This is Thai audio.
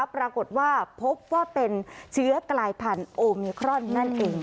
ปรากฏว่าพบว่าเป็นเชื้อกลายพันธุ์โอมิครอนนั่นเอง